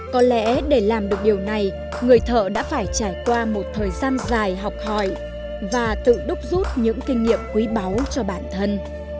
có lẽ để làm được điều này người thợ đã phải trải qua một thời gian dài học hỏi và tự đúc rút những kinh nghiệm quý báu cho bản thân